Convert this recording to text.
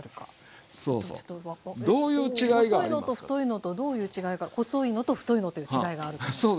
細いのと太いのとどういう違いが細いのと太いのという違いがあると思いますけど。